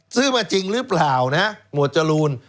ซื้อมาจริงหรือเปล่านะฮะหมวดจรูน